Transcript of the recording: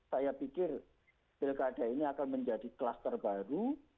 saya pikir pilkada ini akan menjadi kluster baru